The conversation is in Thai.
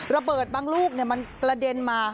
ระเบิดบางลูกมันกระเด็นมา